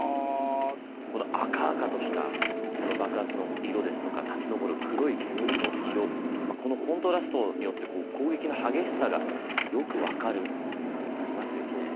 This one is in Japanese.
この赤々としたこの爆発の色ですとか立ち上る黒い煙の色このコントラストによって攻撃の激しさがよく分かるというふうになりますよね。